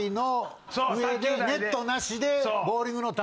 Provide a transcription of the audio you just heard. ネットなしで。